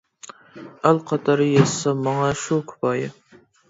ئەل قاتارى ياشىسام، ماڭا شۇ كۇپايە.